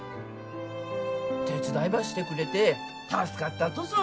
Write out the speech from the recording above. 手伝いばしてくれて助かったとぞ。